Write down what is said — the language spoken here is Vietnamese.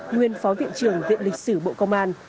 nguyên phó viện trưởng viện lịch sử bộ công an